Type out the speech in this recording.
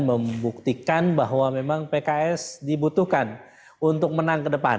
membuktikan bahwa memang pks dibutuhkan untuk menang ke depan